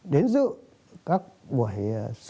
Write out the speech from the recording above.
đến giữ các buổi sớm